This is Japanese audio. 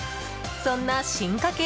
そんな進化系